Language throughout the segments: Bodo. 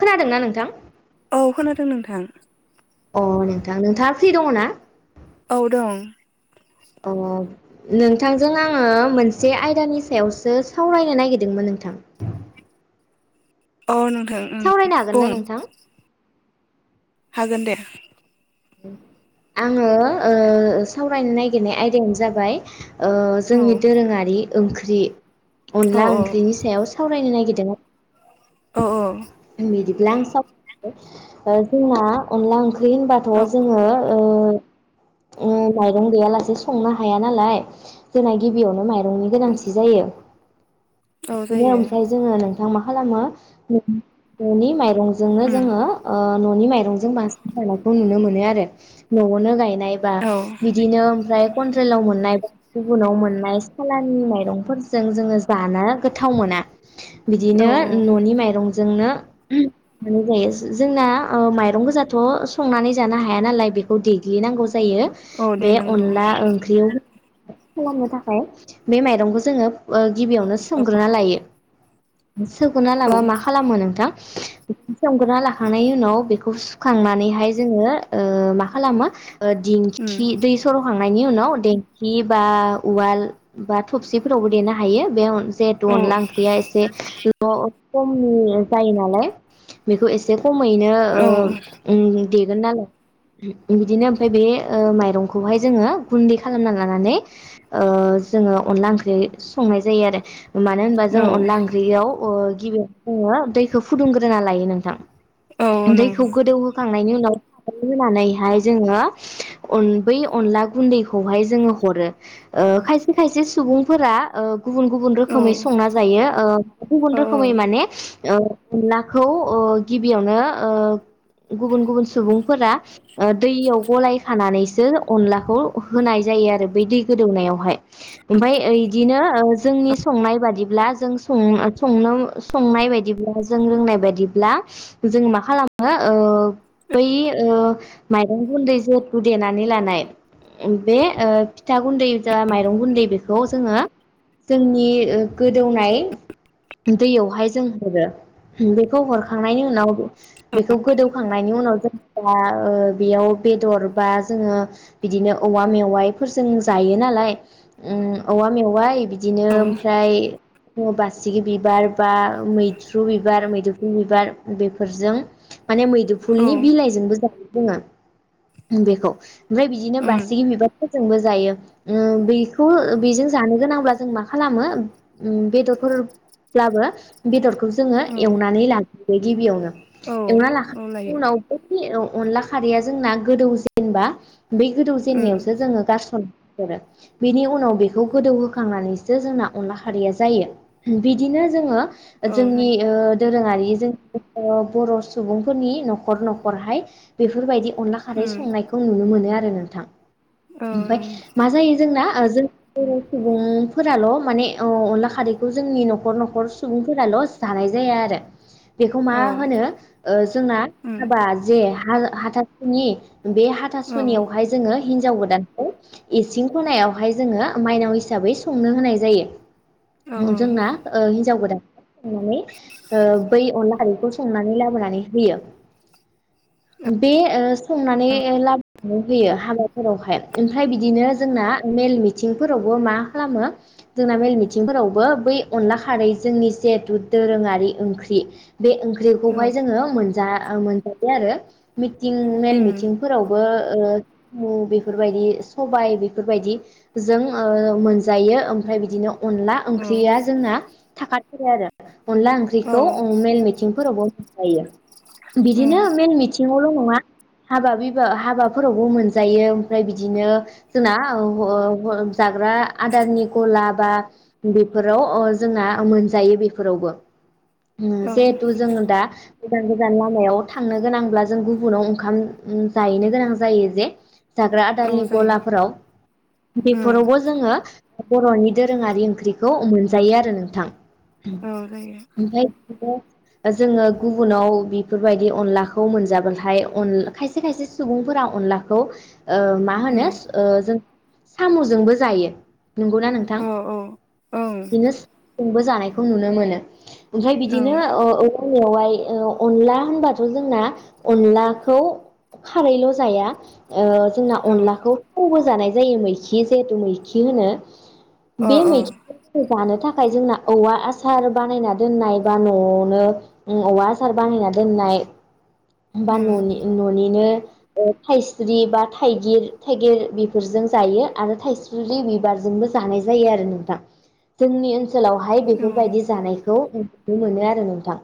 खोनादोंना नोंथां? औ खोनादों नोंथां। अ नोंथां नोंथाङा फ्रि दङ ना औ दं अ नोंथांजों आङो मोनसे आयदानि सायावसो सावरायनो नागिरदोंमोन नोंथां। अ नोंथां ओम सावरायनो हागोन बुं ना नोंथां हागोन दे। आङो ओ सावरायनो नागिरनाय आयदायानो जाबाय। ओ औ जोंनि दोरोङारि ओंख्रि औ अनला ओंख्रिनि सायाव साव फरायनो नागिरदोंमोन। अ अ बिदिब्ला आं साव जोंना अनला ओंख्रि। ओख्रि होनबाथ' औ जोङो। ओ ओ माइरं गैयालासे संनो हाया नालाय जोंना गिबियावनो माइरं। न'नि गोनांथि जायो। औ बिदिनो जायो ओमफ्राय जोङो नों। नोंथां मा खालामो। ननि माय रंजोंनो उम जोङो न'नि माइरंजों बांसिन जानायखौ नुनो मोन नुयो आरो न'आवनो गायनो नायबा औ बिदिनो ओमफ्राय कनट्रेलाव मोननायबा गुबुनाव मोननाय सालानि माइरंफोरजों जोङो जानो गोथाव मोना। बिदिनो औ न'नि माइरं जोंनो जायो जोंना माइरं गोजाथ' संनानै जानो हाया नालाय बेखौ देग्लिनांगौ जायो। जायो औ दे बे नंगौ अनला ओंख्रियाव खालामनो थाखाय बे माइरंखौ जोङो ओ गिबियावनो औ सोमग्रोना लायो सखुना लाबा औ मा खालामो नोंथां बेखौ सोमग्रोना लाखांनायनि उनाव बेखौ सुखांनानैहाय जोङो ओ मा खालामो ओ उम दिंखि दै सर'हां नायनि उनाव देंखि बा उवाल बा थबसिफोरावबो देनो हायो बे जहेथु औ अनला ओंख्रिया एसे ल कममि जायो नाल बेखौ एसे खमैनो ओ औ उम देगोन नालाय बिदिनो ओमफ्राय बे माइरंखौहाय जोङो गुन्दै खालामना लानानै ओ जोङो अनला ओंख्रि संनाय जायो आरो मानो होनबा जों औ अनला ओंख्रियाव ओ [unintelligible] खौ फुदुंग्रोना लायो औ नोंथां दैखौ नंगौ गोदौहोखां खां उनाव [unintelligible] होनानैहाय जोङो अन बै अनला गुन्दैखौहाय जोङो हरो ओ खायसे खायसे सुबुंफोरा ओ गुबुन गुबुन औ रोखोमै संना जायो ओ गुबुन औ रोखोमै माने ओ अनलाखौ ओ गिबियावनो ओ गुबुन गुबुन सुबुंफोरा ओ दैयाव गलाय खानानैसो अनलाखौ होनाय जायो आरो बै दै गोदौनायावहाय ओमफाय ओइदिनो ओ जोंनि संनाय बादिब्ला जों सं संनो संनाय बायदिब्ला जों रोंनाय बायदिब्ला जों मा खालामो ओ बै ओ माइरं गुन्दै जेथु देनानै लानाय बे ओ फिथा गुन्दै जा माइरं गुन्दै बेखौ जोङो जोंनि गोदौनाय दैयावहाय जों हरो उम बेखौ हरखांनायनि उनाव बेखौ गोदौखांनायनि उनाव जों दा ओ बेयाव बेदर बा जोङो बिदिनो औवा मेवाइफोरजों जायो नालाय ऊम औवा मेवाइ बि दिनो औ ओमफ्राय ओ बासिगि बिबार बा मैथ्रु थ्रु बिबार मैदुफुल बिबार बेफोरजों माने मैदुफुलनि बिलाइजोंबो जायो बुङो बेखौ ओमफ्राय बिदिनो उम बासिगि बिबार फोरजोंबो जायो ओम बैखौ बेजों जानो गोनांब्ला जों मा खालामो उम बेदरफोरब्लाबो बेदरखौ जोङो औ एवनानै ला गिबि आवनो औ एवना औ लाखांनायनि लायो उनाव बे अनला खारैया जोंना गोदौ जेनेबा बै गोदौ उम जेननायावसो जोङो गारस'नो हरो बिनि उनाव बेखौ गोदौहोखांनानैसो जोंना अनला खारिया जायो बिदिनो जोङो औ जोंनि जायो ओ दोरोङारि जों बर' सुबुंफोरनि न'खर न'खरहाय बेफोरबायदि अनला खारै उम संनायखौ नुनो मोनो आरो नोंथां औ ओमफाय नंगौ मा जायो जोंना आजों बर' सुबुंफोराल' माने अ अनला खारैखौ जोंनि न'खर न'खर सुबुंफोराल' जानाय जाया आरो बेखौ मा औ होनो ओ जोंना उम हाबा जे हा हाथा सुनि बे औ हाथासुनियावहाय जोङो हिनजाव गोदानखौ इसिं खनायावहाय जोङो माइनाव हिसाबै संनो होनाय जायो औ औ उम जोंना ओ हिनजाव गोदान नानै ओ बै अनला खारिखौ संनानै लाबोनानै होयो बे ओ संनानै लाबोनानै होयो हाबाफोरावहाय ओमफ्राय बिदिनो जोंना मेल मिथिंफोरावबो मा खालामो जोंना मेल मिथिंफोरावबो बै अनला खारै जोंनि जिहेथु दोरोङारि ओंख्रि बे औ ओंख्रिखौहाय जोङो मोन जा ओ मोनजाबाय आरो थिं मेल उम मिथिंफोरावबो ओ सामु बेफोरबायदि सबाय बेफोरबायदि जों ओ मोनजायो ओमफ्राय बिदिनो अनला औ ओंख्रिया जोंना थाखा थारो आरो अनला औ ओंख्रिखौ मेल मिथिंफोरावबो हायो बिदिनो उम मेन मिथिङावल संया हाबा बिबा हाबाफोरावबो मोनजायो ओमफ्राय बिदिनो जों जाग्रा आदारनि गला बा बेफोराव जों ना जायो बेफोरावबो औ जिहेथु जों दा गोदान गोजान लामायाव थांनो गोनांब्ला जों गुबुनाव ओंखाम जाहैनो गोनां जायो जे जाग्रा औ आदारनि जायो गलाफोराव उम बेफोरावबो जोङो बर'नि दोरोङारि ओंख्रि बेखौ मोनजायो आरो नोंथां औ जायो ओमफ्राय जोङो गुबुनाव बेफोरबायदि अनलाखौ मोनजाब्लाथाय अन खायसे खायसे सुबुंफोरा अनलाखौ ओ मा होनो उम ओ जों साम'जोंबो जायो नंगौ ना नोंथां औ औ ओं बिदिनो जोंबो जानाय खौ नुनो मोनो ओमफ्राय बिदिनो ओं ओ औवा मेवाइ ओ अनला होनबाथ जोंना अनलाखौ खारैल जाया ओ जोंना औ अनलाखौ थावबो जानाय जायो मैखि जिहेथु मैखि होनो अ बे अ मैखि जानो थाखाय जोंना औवा आसार आसार बानायना दोननाय बा नआवनो औवा आसार बानायना दोननाय बा उम ननि ननिनो ओ थाइस्रि बा थाइगिर थाइगिर बेफोरजों जायो आरो थाइस्रि बिबारजोंबो जानाय जायो आरो नोंथां जोंनि ओनसोलावहाय उम बेफोरबायदि जानाय खौ नुनो मोनो आरो नोंथां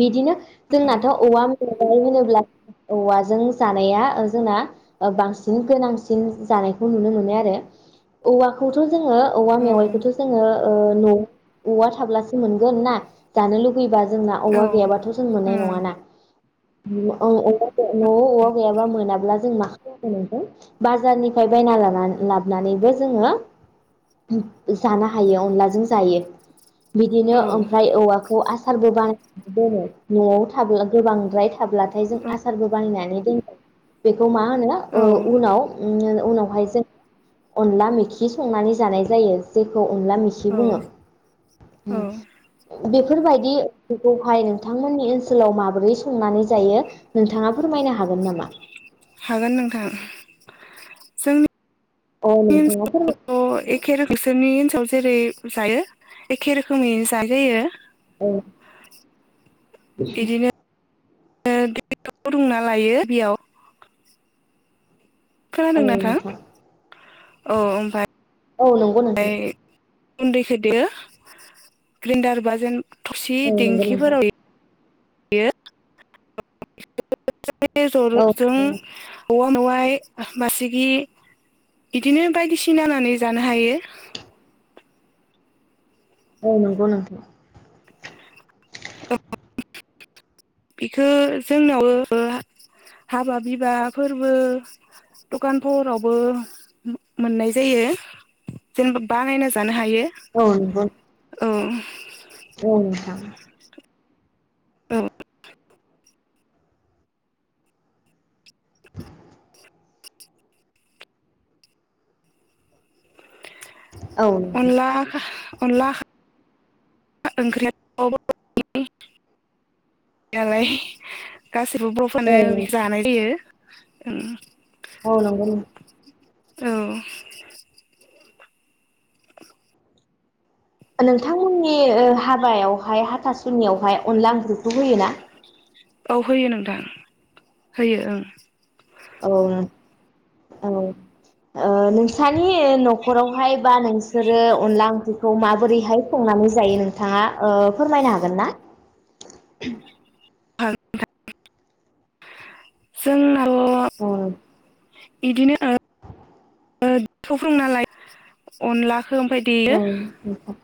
बिदिनो जोंनाथ औवा य होनोब्ला औवाजों जानाया जोंना बांसिन गोनांसिन जानायखौ नुनो मोनो आरो औवाखौथ' जोङो औवा उम औ मेवाइखौथ' जोङो ओ नो औवा थाब्लासो मोनगोन ना जानो लुबैयो फैबा जोंना औवा औ गैयाबाथ' जों मोननाय उम नङाना औ [unintelligible] न'आव अवा गैयाबा मोनाब्ला जों मा नों बाजारनिफ्राय बायना लानानै लाबोनानैबो जोङो जानो हायो अनलाजों जायो बिदिनो औ ओमफ्राय औवाखौ आसारबो बाना दङो न'आव थाबला गोबांद्राय थाबब्लाथाय जों आसारबो बानायनानै बेखौ मा मा होनो औ ओ उनाव उम उनावहाय जों अनला मोखि संनानै जानाय जायो जे खौ अनला मिखि औ बुङो औ [inaudible] बेफोरबायदिखौहाय नोंथांमोननि ओनसोलाव माबोरै संनानै जायो नोंथाङा फोरमायनो हागोन नामा हागोन नोंथां औ जोंनि नोंथाङा फोरमाय ओनसोलावथ'एखे रोखोमैनो नोंसोरनि ओनसोलाव [unintelligible] जेरै जायो एखे रोखोमैनो जानाय जायो औ दै रोंना लायो बेयाव औ खोनादों ना नोंथां नोंथां औ ओमफाय औ नंगौ नोंथां गुन्दैखौ देयो ग्रेन्डार बा जेन थुरसि औ नंगौ नोंथां दिेंखिफोराव द [unintelligible] आ [unintelligible] जों औ [unintelligible] वहाय बासिगि बिदिनो बायदिसिहोनानै जानो हायो औ नंगौ नोंथां औ [unintelligible] बेखो जोंनाव हाबा बिबाफोरबो दखान फहरावबो मोननाय जायो जेनेबा बानायना जानो हायो औ नोंगौ औ औ नोंथां औ [inaudible] औ नंगौ अनला अनला [unintelligible] ओंख्रिया [unintelligible] लाय गासैबो बर'फ्रानो औ बि [unintelligible] जानाय जायो [unintelligible] औ नंगौ नोंथां औ नोंथांमोननि ओ हाबायावहाय हाथासुनियावहाय अनला ओंख्रिखौ होयोना औ होयो नोंथां होयो ओं औ औ ओ नोंसानि न'खरावहाय बा नोंसोरो अनला ओं खौ माबोरैहाय संनानै जायो नोंथाङा ओ फोरमायनो हागोन ना [unintelligible] जों औ इदिनो थौ फोरों नालाय अनला [unintelligible] ओमफाय औ देयो नोंथां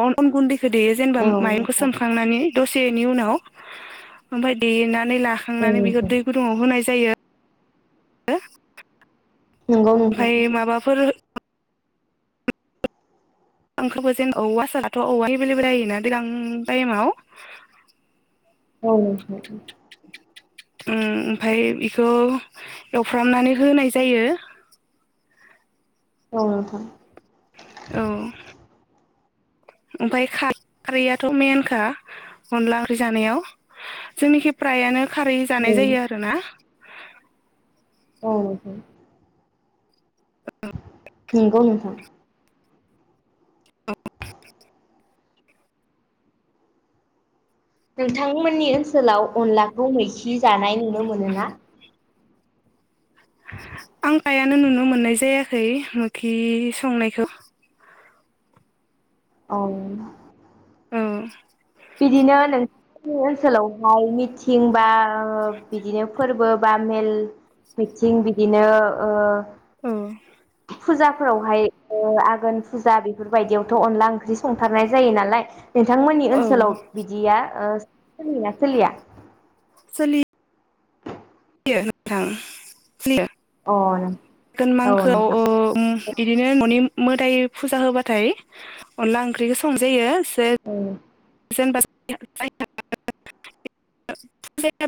अ गुन्दै देयो जेनेबा औ माइरंखौ नोंथां सोमखांनानै दसेनि उनाव ओमफाय देना नानै औ लाखांनानै बेखौ नोंथां दै गुदुंङाव होनाय जायो [unintelligible] नंगौ नोंथां ओमफाय माबाफोर आंखबो जेन औवा साराथ' औवा एभेलेबेल जायोना दैज्लां टाइमाव औ उम ओमफाय बेखौ एवफ्रामनानै होनाय जायो औ नोंथां औ ओमफाय खारैयाथ' मेनखा अनला ओंख्रि जानायाव जोंनिखि फ्रायानो खारै जानाय जायो आरो ना औ नंगौ नोंथां नोंथांमोननि ओनसोलाव अनलाखौ जि जानाय नुनो मोनोना आं गायानो नुनो मोननाय जायाखै मोखि संनायखौ औ औ बिदिनो नों जोंनि ओनसोलावहाय मिथिं बा बिदिनो फोरबो बा मेल मिथिं बिदिनो ओ औ फुजाफोरावहाय ओ आघोन फुजा बेफोरबायदियावथ' अनला ओंख्रि संथारनाय जायो नालाय नोंथांमोननि औ ओस सोलाव बिदिया सोलियो ना सोलिया सोलि बियो नोंथां सोलियो अ औ धोन नोंथां मांखोआव मोदाय फुजा होबाथाय अनला ओंख्रिखौ संजायो औ जेनबा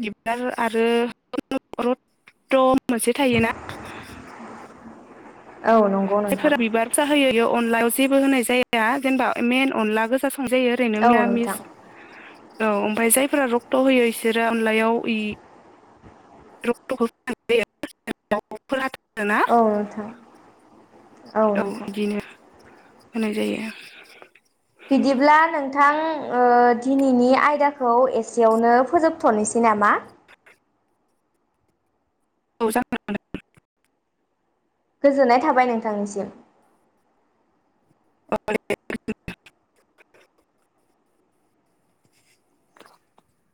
बिबार आरो मोनसे थायोना औ नंगौ नोंथां जायफोरा बिबार जा होयो बेयो अनलायाव जेबो होनाय जाया जेनेबा मेन अनला गोसा संजायो ओरैनो औ नोंथां मिरामिस औ ओमफ्राय जायफोरा रक्ट होयो इसोरो अनलायाव ' [unintelligible] औ नोंथां औ नोंथां होनाय जायो बिदिब्ला नोंथां ओ दिनैनि आयदाखौ एसेयावनो फोजोबथ'नोसै नामा औ जा गोजोननाय थाबाय नोंथांनिसिम [unintelligible]